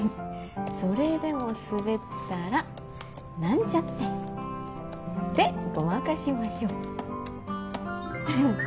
「それでも滑ったらなんちゃってでごまかしましょう」フフっ。